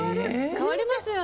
変わりますよね？